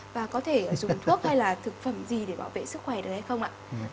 và có thể dùng thuốc hay là thực phẩm gì để bảo vệ sức khỏe đấy không ạ